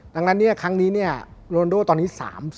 ดังนั้นเนี่ยครั้งนี้เนี่ยโรนดูลตอนนี้๓๗